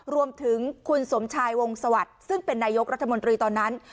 รวมถึงคุณสมชายวงสวัสดิ์ซึ่งเป็นนายกรัฐมนตรีตอนนั้น